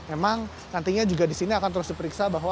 emang nantinya juga disini akan terus diperiksa bahwa